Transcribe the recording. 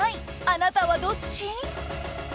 あなたはどっち？